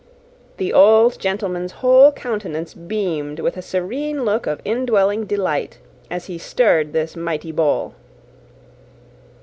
The old gentleman's whole countenance beamed with a serene look of indwelling delight, as he stirred this mighty bowl.